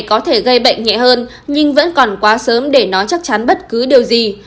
có thể gây bệnh nhẹ hơn nhưng vẫn còn quá sớm để nói chắc chắn bất cứ điều gì